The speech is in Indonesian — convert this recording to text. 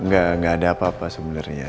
gak ada apa apa sebenernya